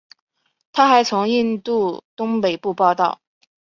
他还从印度东北部报道。